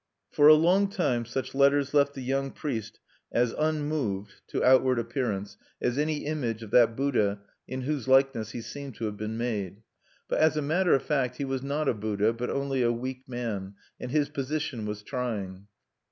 For a long time such letters left the young priest as unmoved, to outward appearance, as any image of that Buddha in whose likeness he seemed to have been made. But, as a matter of fact, he was not a Buddha, but only a weak man; and his position was trying.